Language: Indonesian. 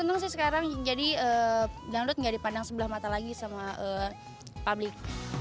seneng sih sekarang jadi dangdut nggak dipandang sebelah mata lagi sama publik